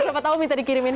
siapa tau minta dikirim aja